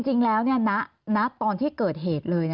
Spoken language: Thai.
จริงแล้วณตอนที่เกิดเหตุเลย